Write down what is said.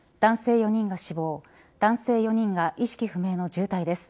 ４人が死亡男性４人が意識不明の重体です。